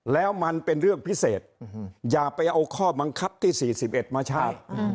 แล้วมันเป็นเรื่องพิเศษอย่าไปเอาข้อบังคับที่๔๑มาใช้